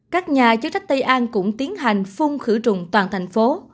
các nhà chức trách tây an cũng tiến hành phun khử trùng toàn thành phố